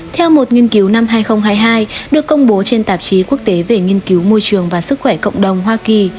theo một nghiên cứu năm hai nghìn hai mươi hai được công bố trên tạp chí quốc tế về nghiên cứu môi trường và sức khỏe cộng đồng hoa kỳ